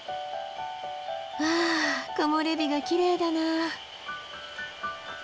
わあ木漏れ日がきれいだな。